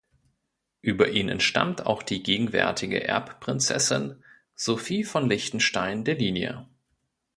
Über ihn entstammt auch die gegenwärtige Erbprinzessin Sophie von Liechtenstein der Linie.